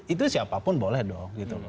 itu siapapun boleh dong